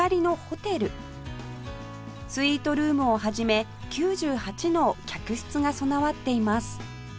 スイートルームを始め９８の客室が備わっています